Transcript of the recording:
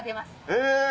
え！